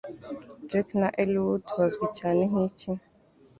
Jake na Elwood bazwi cyane nkiki?